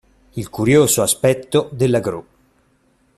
Il curioso aspetto della gru.